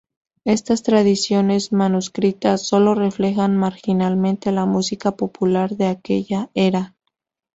Estas tradiciones manuscritas solo reflejan marginalmente la música popular de aquella era.